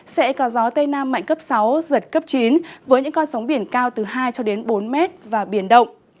sẽ có gió tây nam mạnh cấp sáu giật cấp chín với những con sóng biển cao từ hai bốn m và biển động